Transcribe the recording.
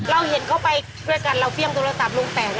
เราเห็นเขาไปด้วยกันเราเฟี่ยมโทรศัพท์ลุงแตก